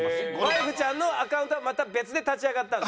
ワイフちゃんのアカウントはまた別で立ち上がったんだ？